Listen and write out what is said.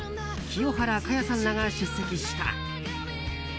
清原果耶さんらが出席した。